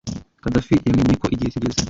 Khadafi yamenye ko igihe kigeze.